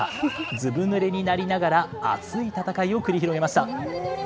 ずぶぬれになりながら、熱い戦いを繰り広げました。